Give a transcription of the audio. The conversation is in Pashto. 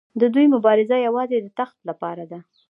د دوی مبارزه یوازې د تخت لپاره ده.